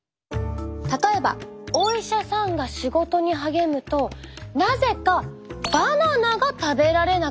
例えばお医者さんが仕事に励むとなぜかバナナが食べられなくなる。